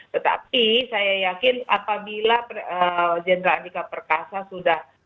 tetapi saya yakin apabila jenderal andika perkasa sudah